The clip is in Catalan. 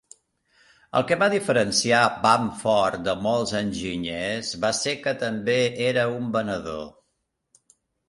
El que va diferenciar Bamford de molts enginyers va ser que també era un venedor.